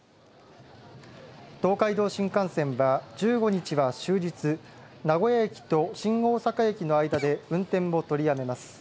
東海道新幹線は１５日は終日名古屋駅と新大阪駅の間で運転を取りやめます。